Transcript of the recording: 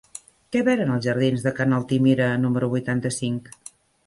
Què venen als jardins de Ca n'Altimira número vuitanta-cinc?